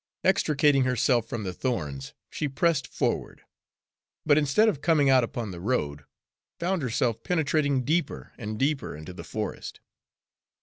Extricating herself from the thorns, she pressed forward, but instead of coming out upon the road, found herself penetrating deeper and deeper into the forest.